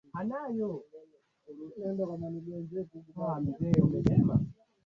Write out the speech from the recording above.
Bwana Nicholas Murero mratibu wa mfumo wa ikolojia wa Mara na Serengeti